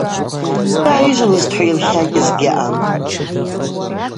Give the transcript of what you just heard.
Дгӏайыжвылызтӏхӏва йтлакӏьыз гьаъам.